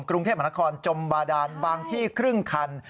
กรุงเทพมหานครจมบาดานบางที่ครึ่งคัน